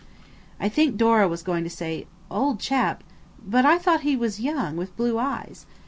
I think Dora was going to say, "Old chap–but I thought he was young with blue eyes?"